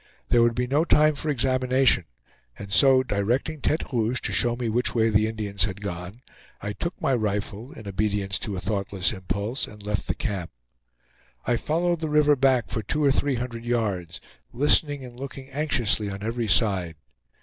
There would be no time for examination, and so directing Tete Rouge to show me which way the Indians had gone, I took my rifle, in obedience to a thoughtless impulse, and left the camp. I followed the river back for two or three hundred yards, listening and looking anxiously on every side.